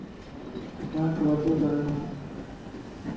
مانک وضو ڪرڻو ا.